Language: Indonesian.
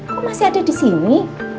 kok masih ada disini